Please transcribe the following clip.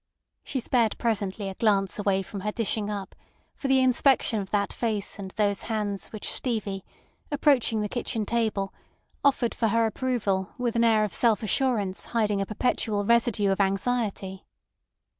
She spared presently a glance away from her dishing up for the inspection of that face and those hands which Stevie, approaching the kitchen table, offered for her approval with an air of self assurance hiding a perpetual residue of anxiety.